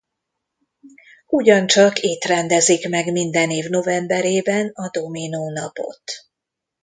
Ugyancsak itt rendezik meg minden év novemberében a Dominó Napot.